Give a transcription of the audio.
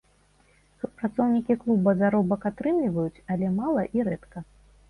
Супрацоўнікі клуба заробак атрымліваюць, але мала і рэдка.